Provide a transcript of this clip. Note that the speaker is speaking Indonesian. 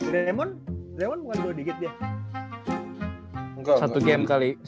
lemon lemon bukan dua digit dia